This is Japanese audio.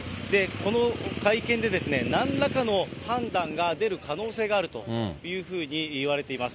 この会見でなんらかの判断が出る可能性があるというふうに言われています。